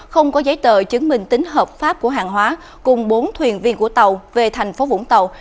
không có giấy tờ chứng minh tính hợp pháp của hàng hóa cùng bốn thuyền viên của tàu về thành phố vũng tàu